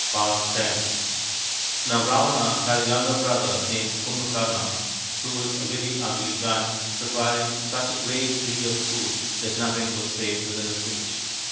RAMA'S QUEST 43 x Now Ravana had a younger brother named Kumbhakarna, who was a very ugly Giant, re quiring such a great deal of food that nothing was safe within his reach.